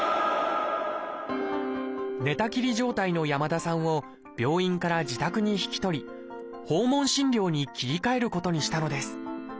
寝たきり状態の山田さんを病院から自宅に引き取り訪問診療に切り替えることにしたのです。